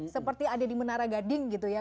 seperti ada di menara gading gitu ya